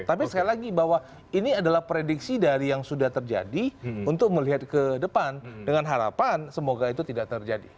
tapi sekali lagi bahwa ini adalah prediksi dari yang sudah terjadi untuk melihat ke depan dengan harapan semoga itu tidak terjadi